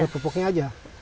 buat popoknya aja